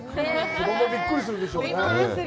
子供はびっくりするでしょうね。